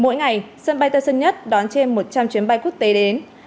mỗi ngày sân bay tân sơn nhất đón trên một trăm linh chuyến bay quốc tế đến